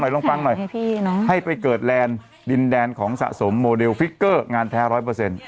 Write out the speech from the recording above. ลองฟังหน่อยให้ไปเกิดแลนด์ดินแดนของสะสมโมเดลฟิกเกอร์งานแท้ร้อยเปอร์เซ็นต์